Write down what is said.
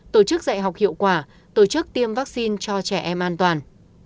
tổ chức dạy học hiệu quả tổ chức tiêm vaccine cho trẻ em an toàn